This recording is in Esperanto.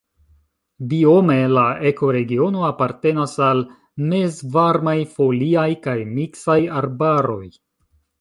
Biome la ekoregiono apartenas al mezvarmaj foliaj kaj miksaj arbaroj.